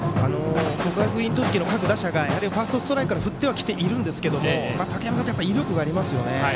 国学院栃木の各打者がファーストストライクから振ってきてはいるんですが威力がありますよね。